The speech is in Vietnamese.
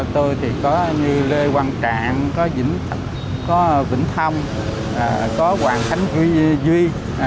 tôi thì có như lê hoàng trạng có vĩnh thông có hoàng khánh duy